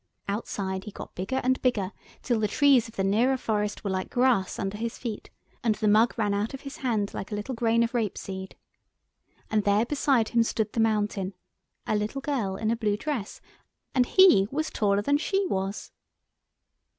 Outside he got bigger and bigger till the trees of the nearer forest were like grass under his feet, and the mug ran out of his hand like a little grain of rape seed. And there beside him stood the Mountain—a little girl in a blue dress—and he was taller than she was.